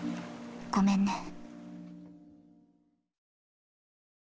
ごめんね。